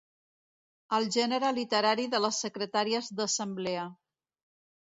El gènere literari de les secretàries d'assemblea.